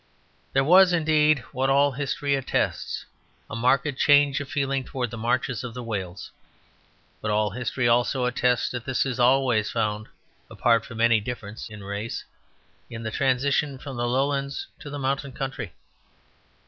There was, indeed, what all history attests, a marked change of feeling towards the marches of Wales. But all history also attests that this is always found, apart from any difference in race, in the transition from the lowlands to the mountain country.